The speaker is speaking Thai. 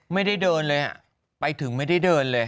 ไม่ได้เดินเลยอ่ะไปถึงไม่ได้เดินเลย